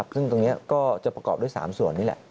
ซึ่งตรงนี้ก็จะประกอบด้วย๓ส่วนนี่แหละ